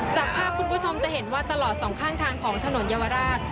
จากภาพคุณผู้ชมจะเห็นว่าตลอดสองข้างทางของถนนเยาวราช